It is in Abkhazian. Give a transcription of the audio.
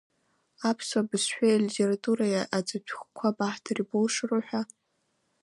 Аԥсуа бызшәеи алитературеи аҵатәхәқәа баҳҭар, ибылшару ҳәа.